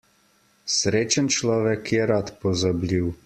Srečen človek je rad pozabljiv.